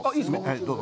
どうぞ。